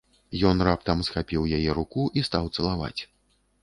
Ён раптам схапіў яе руку і стаў цалаваць.